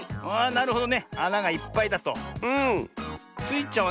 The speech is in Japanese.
なるほど。